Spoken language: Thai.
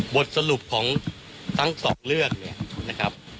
บทสรุปของทั้งสองเรื่องเนี่ยนะครับ